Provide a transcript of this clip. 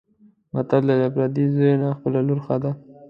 متل دی: له پردي زوی نه خپله لور ښه ده.